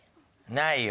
ないよ